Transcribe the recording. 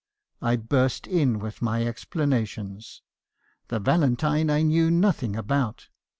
I burst in with my explanations —" 'The valentine I knew nothing about.'